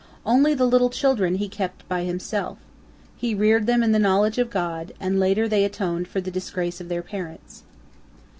Only the little children he kept by himself. He reared them in the knowledge of God, and later they atoned for the disgrace of their parents.